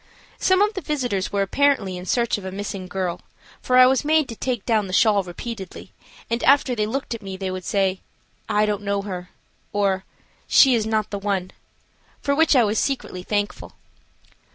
Some of the visitors were apparently in search of a missing girl, for I was made take down the shawl repeatedly, and after they looked at me they would say, "I don't know her," "or, "she is not the one," for which I was secretly thankful.